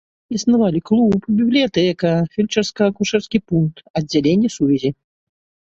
Існавалі клуб, бібліятэка, фельчарска-акушэрскі пункт, аддзяленне сувязі.